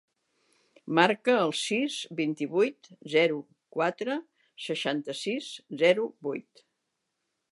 Marca el sis, vint-i-vuit, zero, quatre, seixanta-sis, zero, vuit.